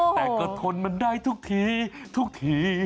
แต่ก็ทนมันได้ทุกทีทุกที